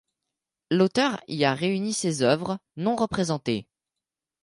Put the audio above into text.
L'auteur y a réuni ses œuvres non représentées.